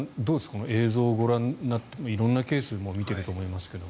この映像をご覧になって色んなケースを見ていると思いますけど。